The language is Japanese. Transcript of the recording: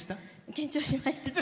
緊張しました。